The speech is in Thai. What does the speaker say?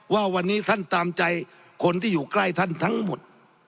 ว่าวันนี้ท่านตามใจคนที่อยู่ใกล้ท่านทั้งหมด